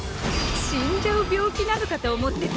死んじゃう病気なのかと思ってた。